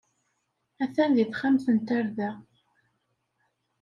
Atan deg texxamt n tarda.